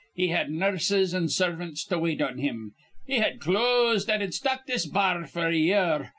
He had nurses an' servants to wait on him. He had clothes that'd stock this ba ar f'r a year.